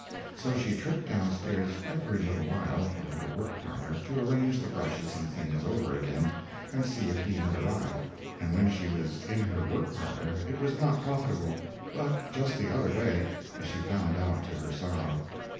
So she tripped down stairs every little while from her work parlor to arrange the brushes and things over again, and see if he had arrived. And when she was in her work parlor it was not profitable, but just the other way—as she found out to her sorrow.